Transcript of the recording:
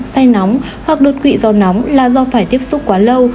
say nóng hoặc đột quỵ do nóng là do phải tiếp xúc quá lâu